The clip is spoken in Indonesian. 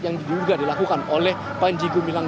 yang juga dilakukan oleh pak enjigu milang